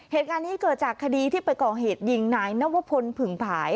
เหตุการณ์นี้เกิดจากคดีที่ไปก่อเหตุยิงนายนวพลผึ่งผาย